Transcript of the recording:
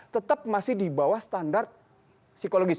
tetap masih di bawah standar psikologis